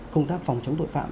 công tác phòng chống tội phạm